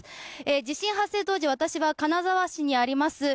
地震発生当時、私は金沢市にあります